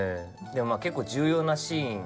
結構重要なシーン。